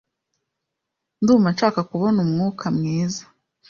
Ndumva nshaka kubona umwuka mwiza.